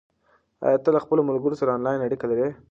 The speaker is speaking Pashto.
آیا ته له خپلو ملګرو سره آنلاین اړیکه لرې؟